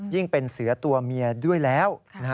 เป็นเสือตัวเมียด้วยแล้ว